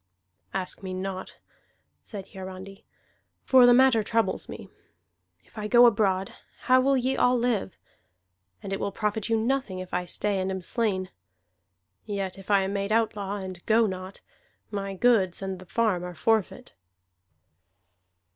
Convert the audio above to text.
"Ask me not," said Hiarandi. "For the matter troubles me. If I go abroad, how will ye all live? And it will profit you nothing if I stay and am slain. Yet if I am made outlaw, and go not, my goods and the farm are forfeit."